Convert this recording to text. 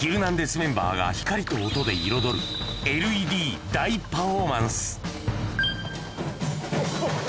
メンバーが光と音で彩る、ＬＥＤ大パフォーマンス。